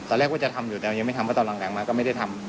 ตอนแรกว่าจะทำอยู่แต่ตอนหลังมาก็ไม่ได้ทำ